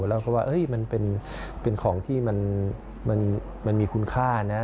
แล้วก็ว่ามันเป็นของที่มันมีคุณค่านะ